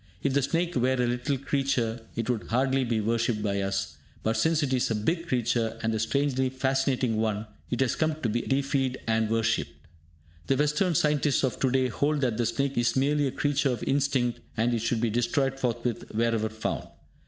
If the snake were a little creature, it would hardly be worshipped by us; but since it is a big creature, and a strangely fascinating one, it has come to be deified and worshipped. The Western scientists of to day hold that the snake is merely a creature of instinct, and it should be destroyed forthwith wherever found.